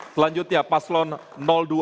selanjutnya paslon dua